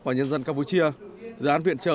và nhân dân campuchia dự án viện trợ